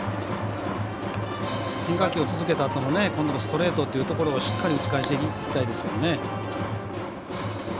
変化球を続けたあとのストレートというのをしっかり打ち返していきたいですけどね。